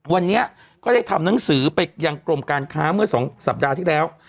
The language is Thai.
วันนี้ก็ได้ทำหนังสือไปยังกรมการค้าเมื่อ๒สัปดาห์ที่แล้ว